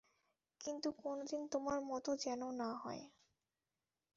কিন্তু, কোনোদিন তোমার মতো যেন না হয়।